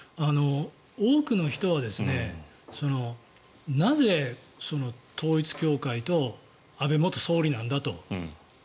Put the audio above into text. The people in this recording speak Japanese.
多くの人はなぜ統一教会と安倍元総理なんだと。